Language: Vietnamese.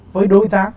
với đối tác